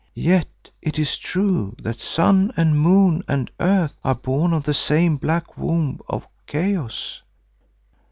Yet it is true that sun and moon and earth are born of the same black womb of chaos.